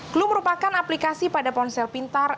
clue merupakan aplikasi pada ponsel pintar